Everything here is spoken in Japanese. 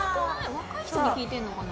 若い人に聞いてるのかな。